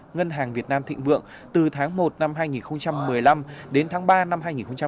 ngân hàng việt nam thịnh vượng từ tháng một năm hai nghìn một mươi năm đến tháng ba năm hai nghìn một mươi chín